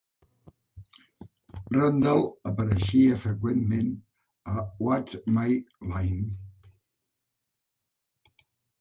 Randall apareixia freqüentment a "What's My Line?".